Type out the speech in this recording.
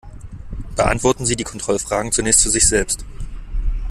Beantworten Sie die Kontrollfragen zunächst für sich selbst.